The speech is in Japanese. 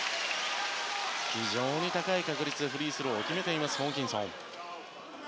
非常に高い確率でフリースローを決めています。